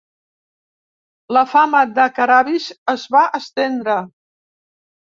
La fama de Karavis es va estendre.